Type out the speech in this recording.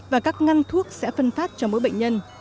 và các ngăn thuốc sẽ phân phát cho mỗi bệnh nhân